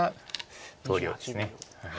投了です。